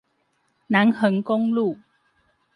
南橫公路